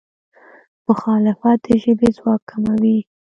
مخالفت د ژبې ځواک کموي.